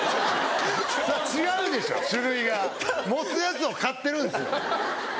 違うでしょ種類が持つやつを買ってるんですよ。